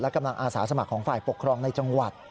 กำลังอาสาสมัครของฝ่ายปกครองในจังหวัด